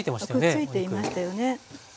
くっついていましたよね。